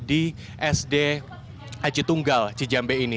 di sd aji tunggal cijambe ini